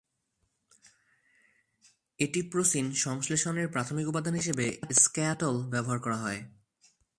এটিপ্রোসিন সংশ্লেষণের প্রাথমিক উপাদান হিসেবে স্ক্যাটোল ব্যবহার করা হয়।